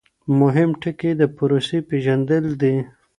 مهم ټکی د پروسې پیژندل دي.